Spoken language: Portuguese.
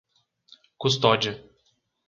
Custódia